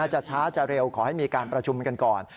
จะช้าจะเร็วขอให้มีการประชุมกันก่อน